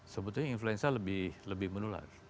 sebetulnya influenza lebih menular